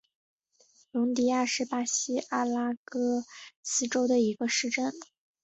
容迪亚是巴西阿拉戈斯州的一个市镇。